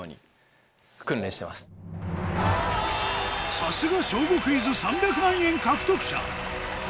さすが『小５クイズ』３００万円獲得者